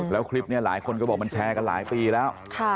แล้วคลิปนี้หลายคนก็บอกมันแชร์กันหลายปีแล้ว